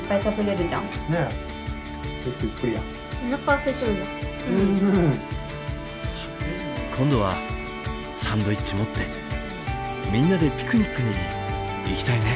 あっ今度はサンドイッチ持ってみんなでピクニックに行きたいね。